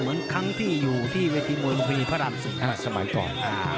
เหมือนครั้งที่อยู่ที่เวทีมือมุมพี่พระราชสุภาพสมัยก่อน